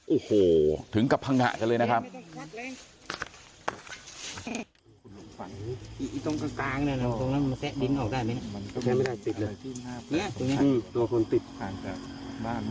โอ้โหถึงกับพังงะกันเลยนะครับ